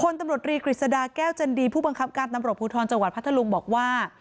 ตำรวจรีกฤษฎาแก้วจันดีผู้บังคับการตำรวจภูทรจังหวัดพัทธลุงบอกว่า